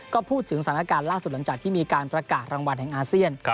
ก็พูดถึงสถานการณ์ล่าสุดหลังจากที่มีการประกาศรางวัลแห่งอาเซียน